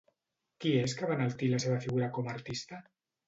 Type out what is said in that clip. Qui és que va enaltir la seva figura com a artista?